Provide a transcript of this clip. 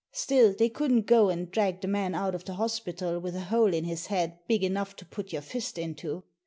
Still, they couldn't go and drag the man out of the hospital with a hole in his head big enough to put your fist into.